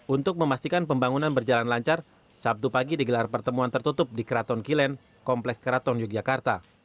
untuk memastikan pembangunan berjalan lancar sabtu pagi digelar pertemuan tertutup di keraton kilen kompleks keraton yogyakarta